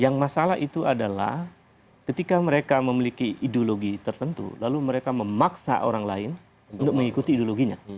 yang masalah itu adalah ketika mereka memiliki ideologi tertentu lalu mereka memaksa orang lain untuk mengikuti ideologinya